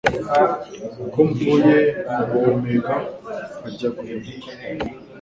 uko mvuye mu guhumeka nkajya guhemuka